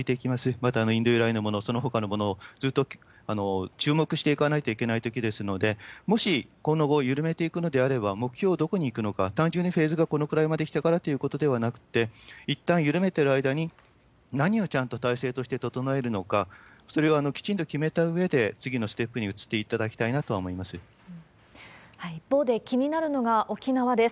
またインド由来のもの、そのほかのもの、ずっと注目していかないといけないときですので、もしこの後、緩めていくのであれば、目標をどこに置くのか、単純にフェーズがこのくらいまできたからということではなくって、いったん緩めてる間に、何をちゃんと体制として整えるのか、それをきちんと決めたうえで、次のステップに移っていただきたいなと一方で、気になるのが沖縄です。